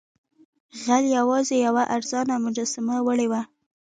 غل یوازې یوه ارزانه مجسمه وړې وه.